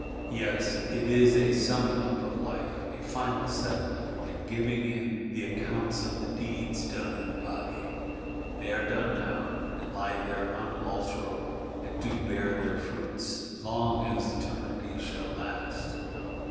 Yes, it is a summing up of Life; a final settling, and giving in the "account of the deeds done in the body:" they are done now; and lie there unalterable, and do bear their fruits, long as Eternity shall last.